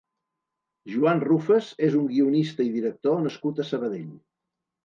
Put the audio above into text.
Joan Rufas és un guionista i director nascut a Sabadell.